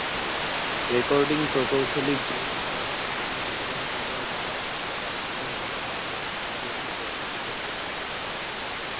Recording প্রকৌশলী Jeff Frost এবং John উডের দ্বারা একটি প্রাক্তন দুগ্ধশালায় স্টুডিওটি প্রতিষ্ঠিত হয়েছিল।